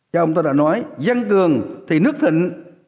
chúng ta đã nói dân cường thì nước thịnh